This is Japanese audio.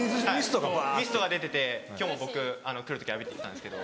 ミストが出てて今日も僕来る時浴びて来たんですけど。